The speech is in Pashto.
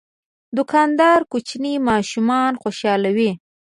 دوکاندار کوچني ماشومان خوشحالوي.